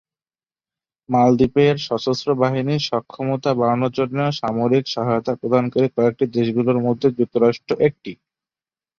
মালদ্বীপের সশস্ত্র বাহিনীর সক্ষমতা বাড়ানোর জন্য সামরিক সহায়তা প্রদানকারী কয়েকটি দেশগুলির মধ্যে যুক্তরাষ্ট্র একটি।